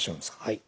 はい。